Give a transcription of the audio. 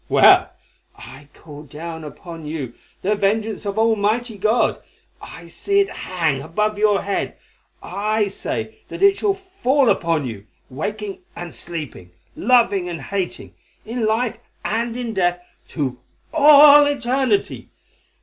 Well, I call down upon you the vengeance of Almighty God. I see it hang above your head. I say that it shall fall upon you, waking and sleeping, loving and hating, in life and in death to all eternity.